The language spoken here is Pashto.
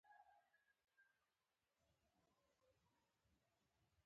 داسې ځای چې لوی ښار ته لنډ سفر ولري